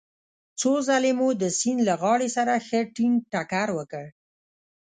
څو ځلې مو د سیند له غاړې سره ښه ټينګ ټکر وکړ.